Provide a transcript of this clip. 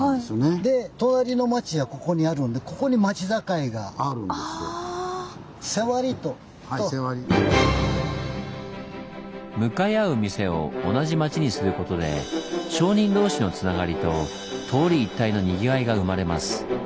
で隣の町はここにあるんで向かい合う店を同じ町にすることで商人同士のつながりと通り一帯のにぎわいが生まれます。